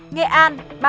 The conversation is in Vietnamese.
nghệ an ba mươi hai ca